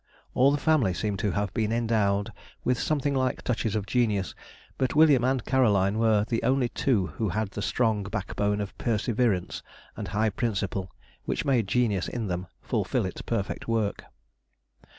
All the family seem to have been endowed with something like touches of genius, but William and Caroline were the only two who had the strong back bone of perseverance and high principle which made genius in them fulfil its perfect work.